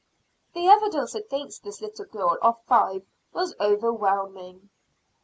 The evidence against this little girl of five was overwhelming.